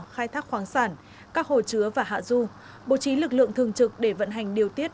khai thác khoáng sản các hồ chứa và hạ du bố trí lực lượng thường trực để vận hành điều tiết